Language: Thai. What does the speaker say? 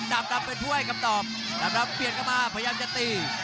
ดำเป็นผู้ให้คำตอบดามดำเปลี่ยนเข้ามาพยายามจะตี